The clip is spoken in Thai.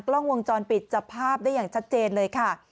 กล้องวงจรปิดจับภาพได้อย่างชัดเจนเลยค่ะ